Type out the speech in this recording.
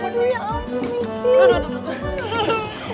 aduh ya ampun nici